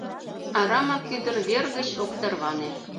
Арамак Ӱдыр вер гыч ок тарване